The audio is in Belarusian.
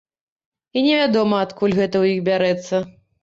І невядома, адкуль гэта ў іх бярэцца.